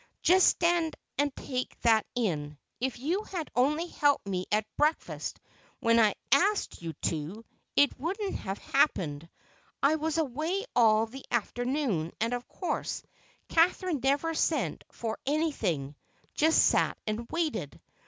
Just stand and take that in. If you had only helped me at breakfast when I asked you to, it wouldn't have happened. I was away all the afternoon, and, of course, Catherine never sent for anything—just sat and waited.